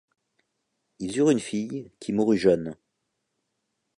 Ils eurent une fille, qui mourut jeune.